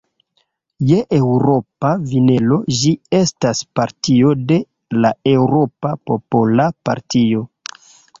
Je eŭropa nivelo, ĝi estas partio de la Eŭropa Popola Partio.